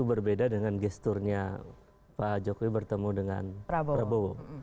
berbeda dengan gesturnya pak jokowi bertemu dengan prabowo